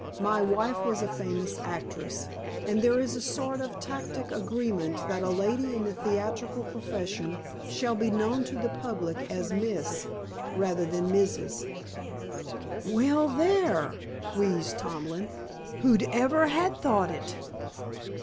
My wife was a famous actress, and there is a sort of tacit agreement that a lady in the theatrical profession shall be known to the public as 'Miss' rather than 'Mrs.'" "Well, there!" wheezed Tomlin. "Who'd ever ha' thought it?"